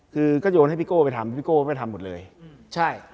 ก็โยนให้พิโก้ไปทำพิโก้ก็ไปทำหมดเลย